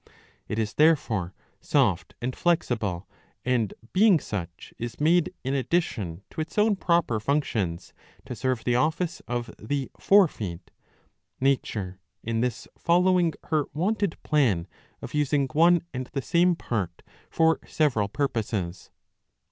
It is therefore soft and flexible, and, being such, is made, in addition to its own proper functions, to serve the office of the fore feet; nature in this following her wonted plan of using one and the same part for several purposes.